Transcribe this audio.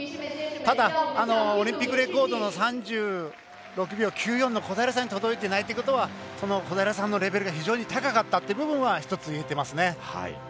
ただ、オリンピックレコードの３６秒９４に届いてないということはその小平選手のレベルが非常に高かったっていうことは１つ、いえてますね。